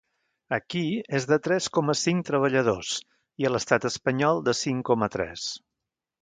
Aquí, és de tres coma cinc treballadors, i a l’estat espanyol, de cinc coma tres.